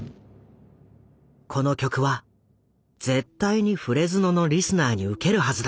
この曲は絶対にフレズノのリスナーに受けるはずだ。